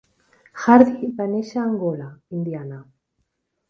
Hardy va néixer a Angola, Indiana.